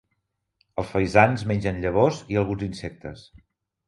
Els faisans mengen llavors i alguns insectes.